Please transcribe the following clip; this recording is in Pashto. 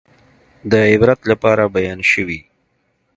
د عبرت لپاره بیان شوي.